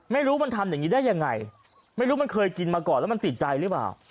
ไม่รู้มันทำอย่างนี้ได้ยังไงไม่รู้มันเคยกินมาก่อนแล้วมันติดใจหรือเปล่า